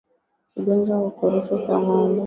Ugonjwa wa ukurutu kwa ngombe